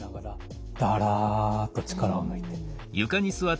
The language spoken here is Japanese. だらっと力を抜いて。